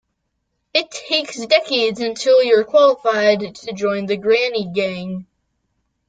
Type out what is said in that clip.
It takes decades until you're qualified to join the granny gang.